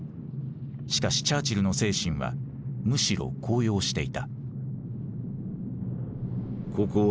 しかしチャーチルの精神はむしろ高揚していた。